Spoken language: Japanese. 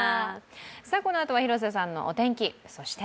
このあとは広瀬さんのお天気、そして